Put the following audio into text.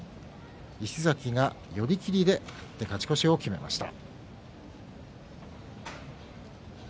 石崎は寄り切りで勝ち越しを決めました。